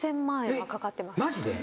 マジで！？